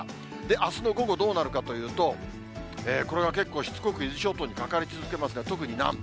あすの午後、どうなるかというと、これが結構しつこく伊豆諸島にかかり続けますね、特に南部。